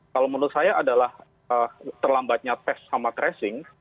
kalau menurut saya adalah terlambatnya tes sama tracing